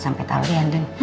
sampai tahu dia andin